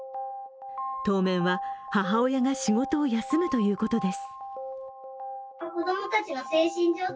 当面は母親が仕事を休むということです。